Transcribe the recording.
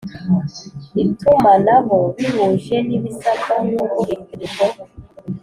itumanaho bihuje n ibisabwa nk uko iri tegeko